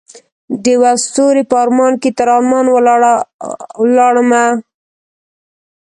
دیوه ستوری په ارمان کې تر ارمان ولاړمه